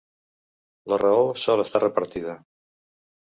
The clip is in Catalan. La raó sol estar repartida.